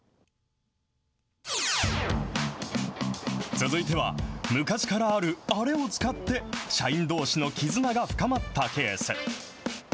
続いては昔からあるあれを使って、社員どうしの絆が深まったケース。